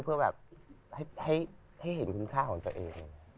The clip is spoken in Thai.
เพื่อแบบให้เห็นคุณค่าของตัวเอง